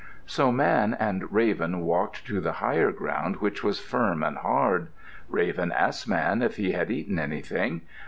So Man and Raven walked to the higher ground which was firm and hard. Raven asked Man if he had eaten anything.